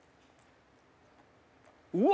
うわ！